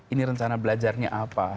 ini rencana belajarnya apa